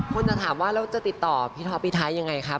คนจะถามว่าแล้วจะติดต่อพี่ท็อปพี่ไทยยังไงครับ